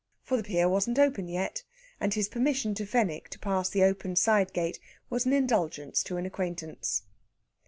For the pier wasn't open yet, and his permission to Fenwick to pass the open side gate was an indulgence to an acquaintance.